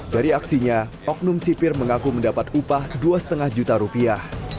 dari aksinya oknum sipir mengaku mendapat upah dua lima juta rupiah